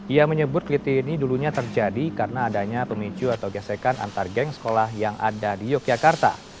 ia menyebut keliti ini dulunya terjadi karena adanya pemicu atau gesekan antar geng sekolah yang ada di yogyakarta